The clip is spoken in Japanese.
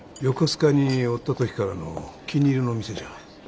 横須賀におった時からの気に入りの店じゃ。